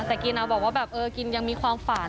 แต่กรีนเอาบอกว่ากรีนยังมีความฝ่าน